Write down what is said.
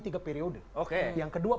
tiga periode oke yang kedua